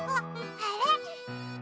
あれ？